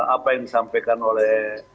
apa yang disampaikan oleh